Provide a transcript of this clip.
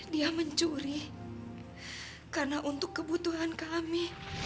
dia mencuri karena untuk kebutuhan kami